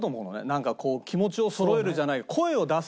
なんか気持ちをそろえるじゃない。